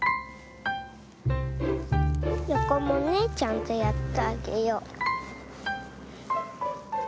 よこもねちゃんとやってあげよう。